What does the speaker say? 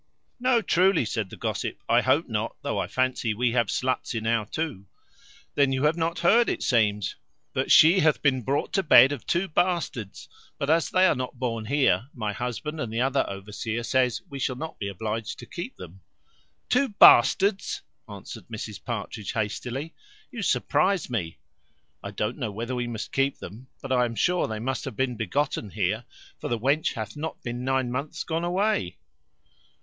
"No, truly," said the gossip, "I hope not, though I fancy we have sluts enow too. Then you have not heard, it seems, that she hath been brought to bed of two bastards? but as they are not born here, my husband and the other overseer says we shall not be obliged to keep them." "Two bastards!" answered Mrs Partridge hastily: "you surprize me! I don't know whether we must keep them; but I am sure they must have been begotten here, for the wench hath not been nine months gone away."